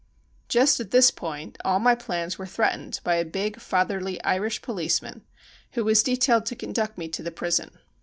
Just at this p<jint. all my plans were threatened by a big fatherly Irish policeman who was de tailed to crmduct me to the prison.